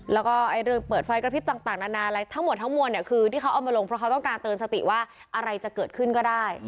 แล้วก็เรื่องเปิดไฟกระพริบต่างนานาอะไรทั้งหมดทั้งมวลเนี่ยคือที่เขาเอามาลงเพราะเขาต้องการเตือนสติว่าอะไรจะเกิดขึ้นก็ได้